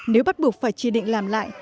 nếu bắt buộc phải chỉ định làm lại